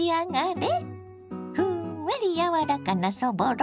ふんわり柔らかなそぼろ。